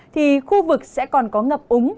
thì khu vực sẽ còn có ngập úng